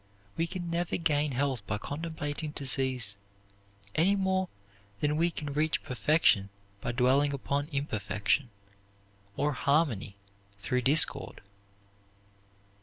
We can never gain health by contemplating disease any more than we can reach perfection by dwelling upon imperfection, or harmony through discord.